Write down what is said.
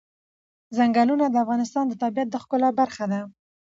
چنګلونه د افغانستان د طبیعت د ښکلا برخه ده.